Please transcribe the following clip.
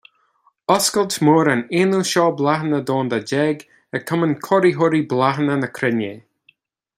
Oscailt Mór an aonú Seó Bláthanna Domhanda déag ag Cumann Cóiritheoirí Bláthanna na Cruinne.